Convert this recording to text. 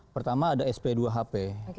pertama ada sp dua hp